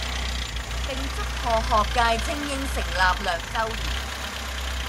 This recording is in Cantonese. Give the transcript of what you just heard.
並祝賀學界菁英成立兩周年